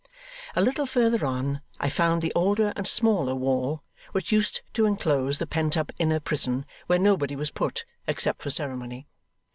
A little further on, I found the older and smaller wall, which used to enclose the pent up inner prison where nobody was put, except for ceremony.